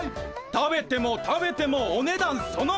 食べても食べてもおねだんそのまま！